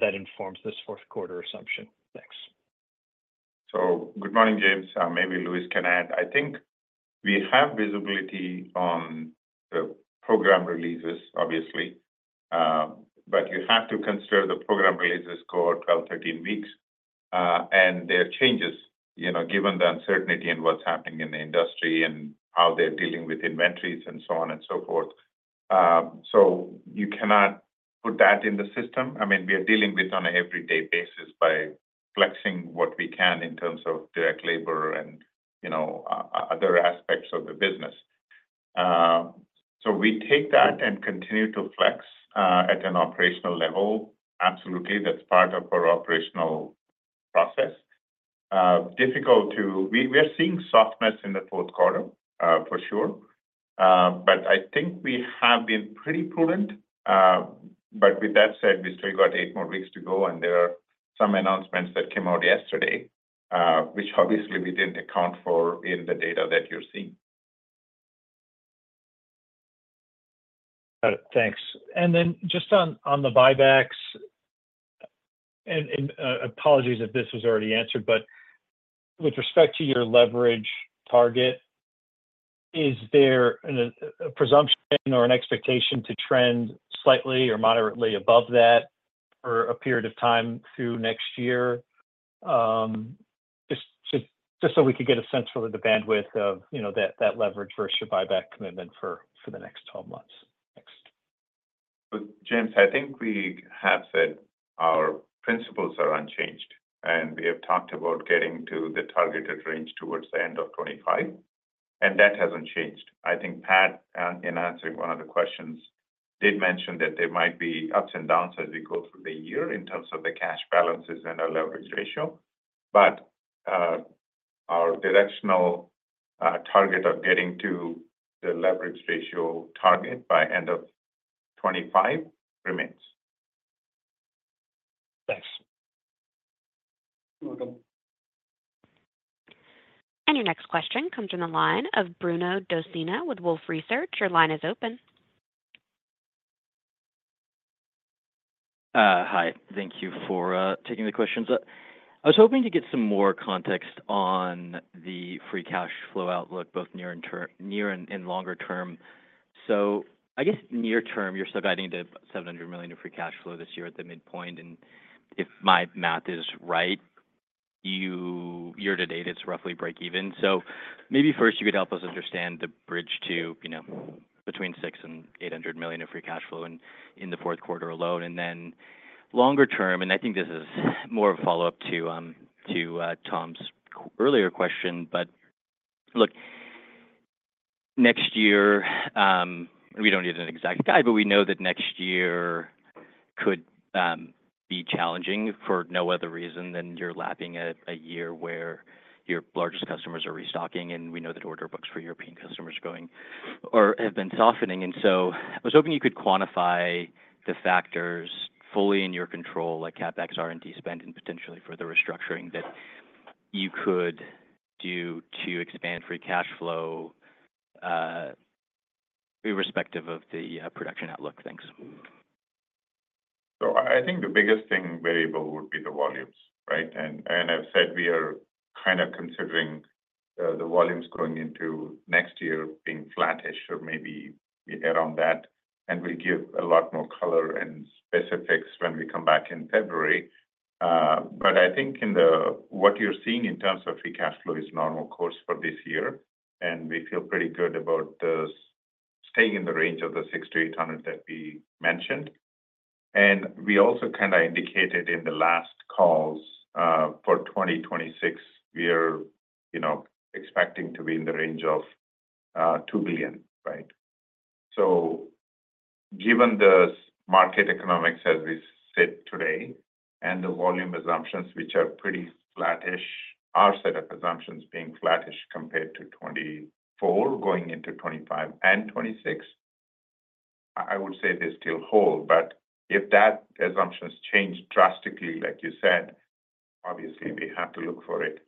that informs this Q4 assumption? Thanks. Good morning, James. Maybe Louis can add. I think we have visibility on the program releases, obviously, but you have to consider the program releases go 12, 13 weeks. And there are changes given the uncertainty and what's happening in the industry and how they're dealing with inventories and so on and so forth. So you cannot put that in the system. I mean, we are dealing with it on an every day basis by flexing what we can in terms of direct labor and other aspects of the business. So we take that and continue to flex at an operational level. Absolutely. That's part of our operational process. Difficult to. We are seeing softness in the Q4, for sure. But I think we have been pretty prudent. But with that said, we still got eight more weeks to go. There are some announcements that came out yesterday, which obviously we didn't account for in the data that you're seeing. Got it. Thanks. And then just on the buybacks, and apologies if this was already answered, but with respect to your leverage target, is there a presumption or an expectation to trend slightly or moderately above that for a period of time through next year? Just so we could get a sense for the bandwidth of that leverage versus your buyback commitment for the next 12 months. Next. But James, I think we have said our principles are unchanged. And we have talked about getting to the targeted range towards the end of 2025. And that hasn't changed. I think Pat, in answering one of the questions, did mention that there might be ups and downs as we go through the year in terms of the cash balances and our leverage ratio. But our directional target of getting to the leverage ratio target by end of 2025 remains. Thanks. And your next question comes from the line of Bruno Dosenna with Wolfe Research. Your line is open. Hi. Thank you for taking the questions up. I was hoping to get some more context on the free cash flow outlook, both near and longer term. So I guess near term, you're still guiding to $700 million in free cash flow this year at the midpoint. And if my math is right, year to date, it's roughly break even. So maybe first, you could help us understand the bridge to between $600 million and $800 million in free cash flow in the Q4 alone. And then longer term, and I think this is more of a follow-up to Tom's earlier question, but look, next year, we don't need an exact guide, but we know that next year could be challenging for no other reason than you're lapping a year where your largest customers are restocking, and we know that order books for European customers are going or have been softening. And so I was hoping you could quantify the factors fully in your control, like CapEx, R&D spend, and potentially further restructuring that you could do to expand free cash flow irrespective of the production outlook. Thanks. So I think the biggest thing variable would be the volumes, right? And I've said we are kind of considering the volumes going into next year being flattish or maybe around that. And we'll give a lot more color and specifics when we come back in February. But I think what you're seeing in terms of free cash flow is normal course for this year. And we feel pretty good about staying in the range of the $600-$800 million that we mentioned. And we also kind of indicated in the last calls for 2026, we are expecting to be in the range of $2 billion, right? So given the market economics as we sit today and the volume assumptions, which are pretty flattish, our set of assumptions being flattish compared to 2024, going into 2025 and 2026, I would say they still hold. But if that assumption changed drastically, like you said, obviously, we have to look for it.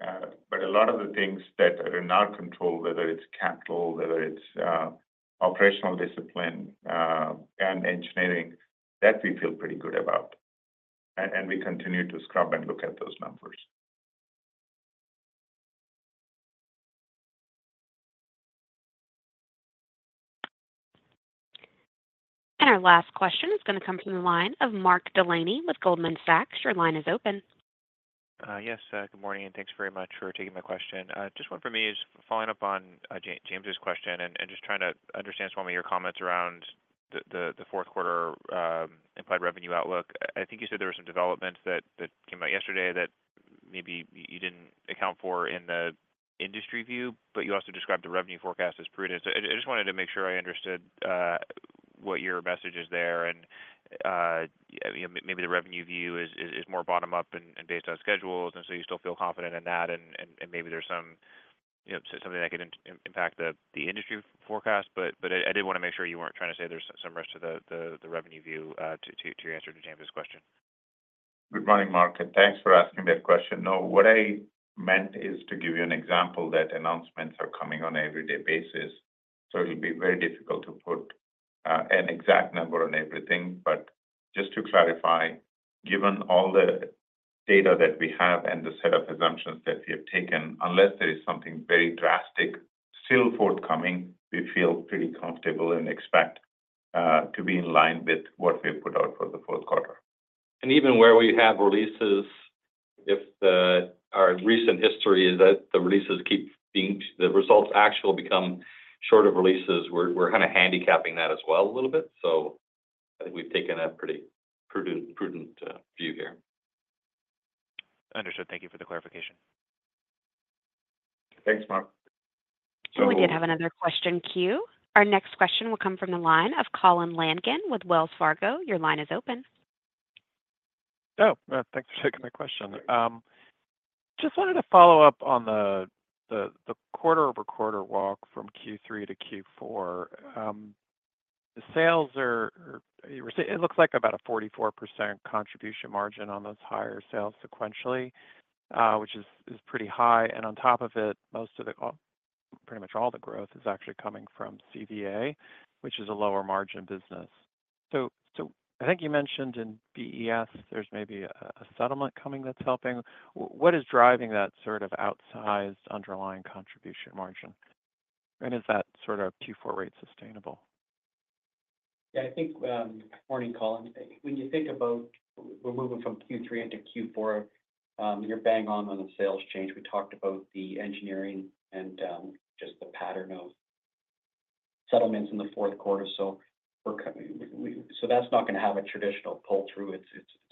But a lot of the things that are in our control, whether it's capital, whether it's operational discipline, and engineering, that we feel pretty good about. And we continue to scrub and look at those numbers. Our last question is going to come from the line of Mark Delaney with Goldman Sachs. Your line is open. Yes. Good morning, and thanks very much for taking my question. Just one for me is following up on James's question and just trying to understand some of your comments around the Q4 implied revenue outlook. I think you said there were some developments that came out yesterday that maybe you didn't account for in the industry view, but you also described the revenue forecast as prudent, so I just wanted to make sure I understood what your message is there. And maybe the revenue view is more bottom-up and based on schedules, and so you still feel confident in that, and maybe there's something that could impact the industry forecast. But I did want to make sure you weren't trying to say there's some rush to the revenue view to your answer to James's question. Good morning, Mark. And thanks for asking that question. No, what I meant is to give you an example that announcements are coming on an everyday basis. So it'll be very difficult to put an exact number on everything. But just to clarify, given all the data that we have and the set of assumptions that we have taken, unless there is something very drastic still forthcoming, we feel pretty comfortable and expect to be in line with what we have put out for the Q4. Even where we have releases, if our recent history is that the releases keep being the results actually become short of releases, we're kind of handicapping that as well a little bit. I think we've taken a pretty prudent view here. Understood. Thank you for the clarification. Thanks, Mark. We did have another question queue. Our next question will come from the line of Colin Langan with Wells Fargo. Your line is open. Oh, thanks for taking my question. Just wanted to follow up on the quarter-over-quarter walk from Q3 to Q4. The sales are, it looks like about a 44% contribution margin on those higher sales sequentially, which is pretty high. And on top of it, most of the, pretty much all the growth is actually coming from CVA, which is a lower margin business. So I think you mentioned in BESS, there's maybe a settlement coming that's helping. What is driving that sort of outsized underlying contribution margin? And is that sort of Q4 rate sustainable? Yeah. I think morning, Colin. When you think about we're moving from Q3 into Q4, you're bang on on the sales change. We talked about the engineering and just the pattern of settlements in the Q4. So that's not going to have a traditional pull-through. It's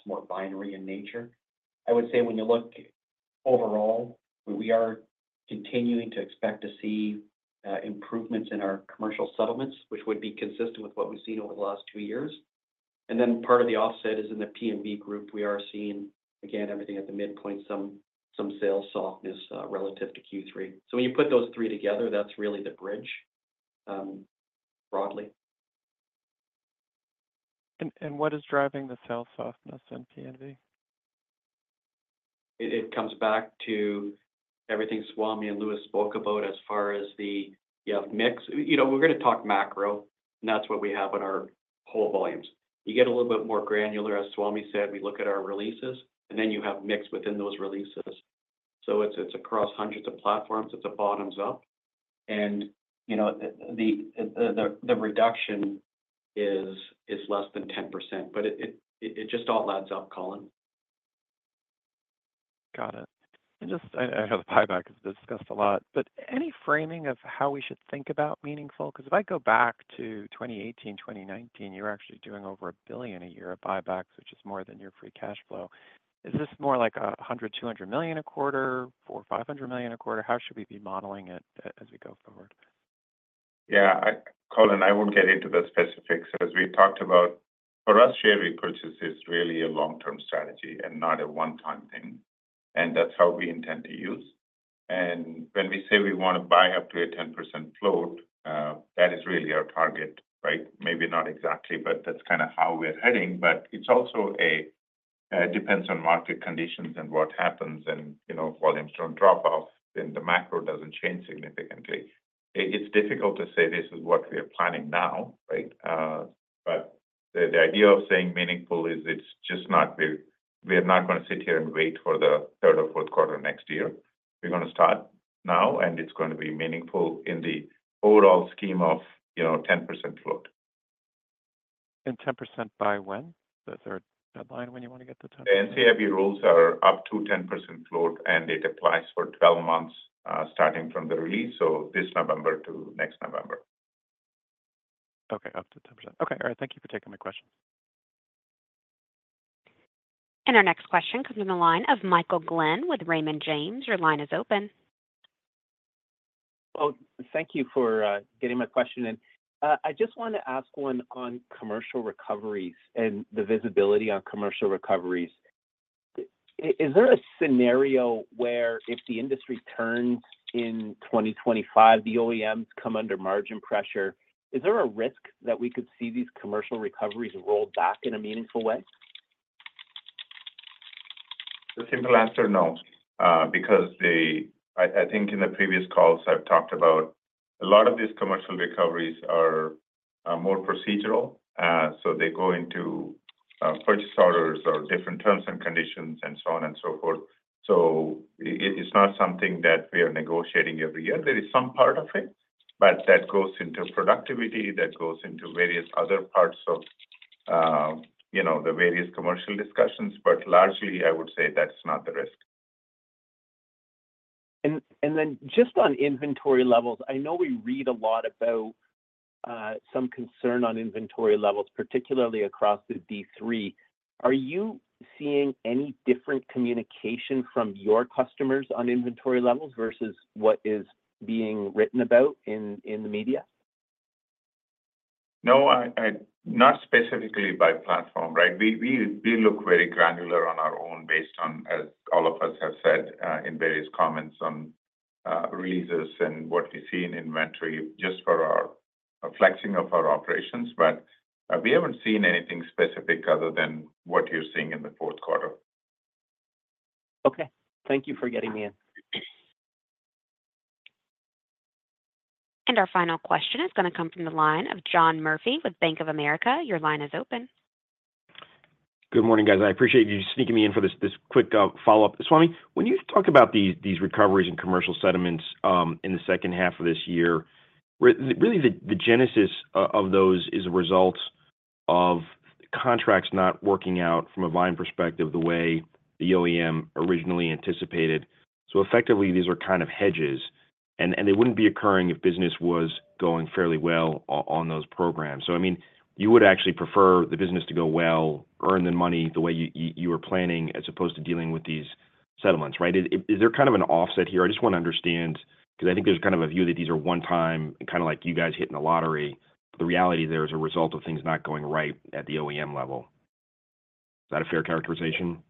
more binary in nature. I would say when you look overall, we are continuing to expect to see improvements in our commercial settlements, which would be consistent with what we've seen over the last two years. And then part of the offset is in the P&B group. We are seeing, again, everything at the midpoint, some sales softness relative to Q3. So when you put those three together, that's really the bridge broadly. What is driving the sales softness in P&B? It comes back to everything Swamy and Louis spoke about as far as the mix. We're going to take macro, and that's what we have on our whole volumes. You get a little bit more granular, as Swamy said. We look at our releases, and then you have mix within those releases. So it's across hundreds of platforms. It's a bottoms-up, and the reduction is less than 10%. But it just all adds up, Colin. Got it. And just, I know the buyback is discussed a lot, but any framing of how we should think about meaningful? Because if I go back to 2018, 2019, you were actually doing over a billion a year of buybacks, which is more than your free cash flow. Is this more like 100-200 million a quarter, 400-500 million a quarter? How should we be modeling it as we go forward? Yeah. Colin, I won't get into the specifics as we talked about. For us, share repurchase is really a long-term strategy and not a one-time thing. And that's how we intend to use. And when we say we want to buy up to a 10% float, that is really our target, right? Maybe not exactly, but that's kind of how we're heading. But it also depends on market conditions and what happens. And volumes don't drop off, then the macro doesn't change significantly. It's difficult to say this is what we are planning now, right? But the idea of saying meaningful is it's just we're not going to sit here and wait for the third or Q4 next year. We're going to start now, and it's going to be meaningful in the overall scheme of 10% float. And 10% by when? Is there a deadline when you want to get the 10%? NCIB rules are up to 10% float, and it applies for 12 months starting from the release, so this November to next November. Okay. Up to 10%. Okay. All right. Thank you for taking my question. Our next question comes from the line of Michael Glen with Raymond James. Your line is open. Thank you for getting my question. I just want to ask one on commercial recoveries and the visibility on commercial recoveries. Is there a scenario where if the industry turns in 2025, the OEMs come under margin pressure, is there a risk that we could see these commercial recoveries rolled back in a meaningful way? The simple answer, no. Because I think in the previous calls, I've talked about a lot of these commercial recoveries are more procedural. So they go into purchase orders or different terms and conditions and so on and so forth. So it's not something that we are negotiating every year. There is some part of it, but that goes into productivity, that goes into various other parts of the various commercial discussions. But largely, I would say that's not the risk. And then just on inventory levels, I know we read a lot about some concern on inventory levels, particularly across the D3. Are you seeing any different communication from your customers on inventory levels versus what is being written about in the media? No, not specifically by platform, right? We look very granular on our own based on, as all of us have said, in various comments on releases and what we see in inventory just for our flexing of our operations. But we haven't seen anything specific other than what you're seeing in the Q4. Okay. Thank you for getting me in. Our final question is going to come from the line of John Murphy with Bank of America. Your line is open. Good morning, guys. I appreciate you sneaking me in for this quick follow-up. Swamy, when you talk about these recoveries and commercial settlements in the second half of this year, really the genesis of those is a result of contracts not working out from a buying perspective the way the OEM originally anticipated. So effectively, these are kind of hedges, and they wouldn't be occurring if business was going fairly well on those programs. I mean, you would actually prefer the business to go well, earn the money the way you were planning as opposed to dealing with these settlements, right? Is there kind of an offset here? I just want to understand because I think there's kind of a view that these are one-time and kind of like you guys hitting the lottery. The reality there is a result of things not going right at the OEM level. Is that a fair characterization?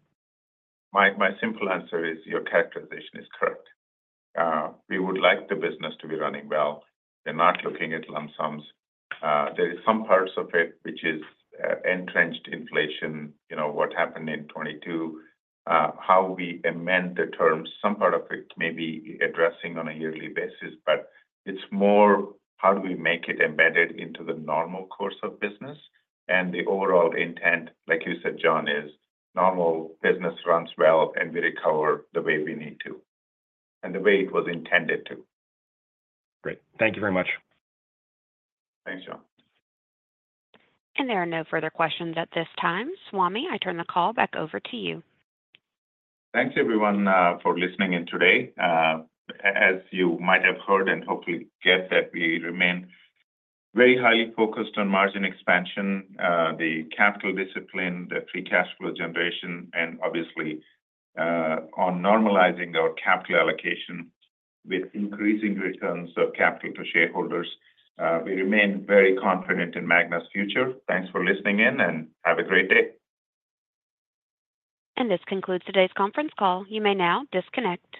My simple answer is your characterization is correct. We would like the business to be running well. They're not looking at lump sums. There are some parts of it which is entrenched inflation, what happened in 2022, how we amend the terms. Some part of it may be addressing on a yearly basis, but it's more how do we make it embedded into the normal course of business, and the overall intent, like you said, John, is normal business runs well and we recover the way we need to and the way it was intended to. Great. Thank you very much. Thanks, John. There are no further questions at this time. Swamy, I turn the call back over to you. Thanks, everyone, for listening in today. As you might have heard and hopefully get that, we remain very highly focused on margin expansion, the capital discipline, the free cash flow generation, and obviously on normalizing our capital allocation with increasing returns of capital to shareholders. We remain very confident in Magna's future. Thanks for listening in and have a great day. This concludes today's conference call. You may now disconnect.